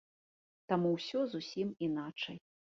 Там усё зусім іначай.